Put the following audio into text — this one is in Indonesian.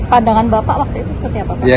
pandangan bapak waktu itu seperti apa pak